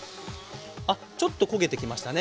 あっちょっと焦げてきましたね。